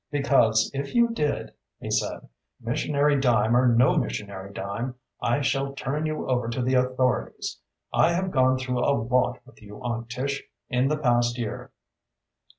"Because if you did," he said, "missionary dime or no missionary dime, I shall turn you over to the authorities! I have gone through a lot with you, Aunt Tish, in the past year."